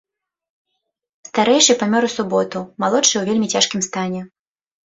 Старэйшы памёр у суботу, малодшы ў вельмі цяжкім стане.